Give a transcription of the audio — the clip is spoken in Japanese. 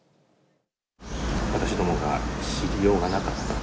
私どもが知りようがなかった。